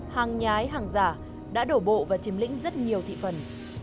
hàng nhái hàng giả đã đổ bộ và chiếm lĩnh rất nhiều thị phần